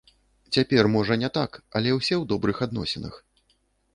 Цяпер, можа, не так, але ўсе ў добрых адносінах.